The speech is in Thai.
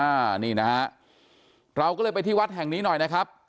อ่านี่นะฮะเราก็เลยไปที่วัดแห่งนี้หน่อยนะครับ